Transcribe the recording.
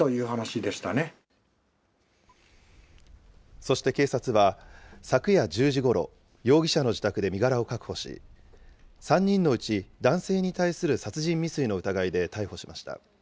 そして警察は昨夜１０時ごろ、容疑者の自宅で身柄を確保し、３人のうち男性に対する殺人未遂の疑いで逮捕しました。